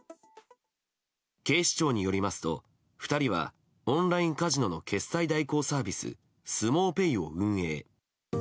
警視庁によりますと２人はオンラインカジノの決済代行サービススモウペイを運営。